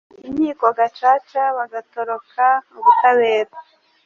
inkiko gacaca bagatoroka ubutabera